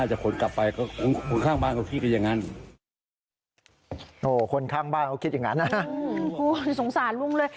โอ้โฮสงสารลุงเลย